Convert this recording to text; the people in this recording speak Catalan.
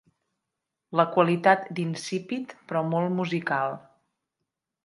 La qualitat d'insípid però molt musical.